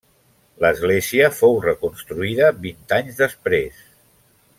L'església fou reconstruïda vint anys després.